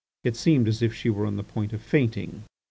It seemed as if she were on the point of fainting.